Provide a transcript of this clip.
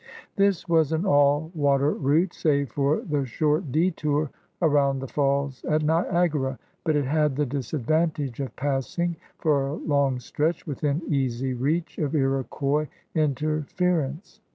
This was an all water route, save for the short detour around the falls at Niagara, but it had the dis advantage of passing, for a long stretch, within easy reach of Iroquois interference.